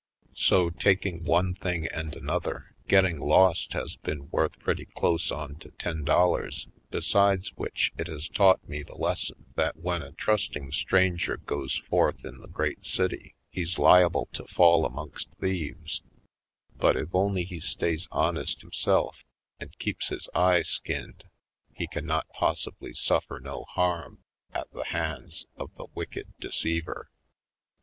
So, taking one thing and another, getting lost has been worth pretty close on to ten dollars, besides which it has taught me the lesson that when a trusting stranger goes forth in the Great City he's liable to fall amongst thieves, but if only he stays honest himself and keeps his eye skinned, he cannot possibly suffer no harm at the hands of the wicked de ceiver.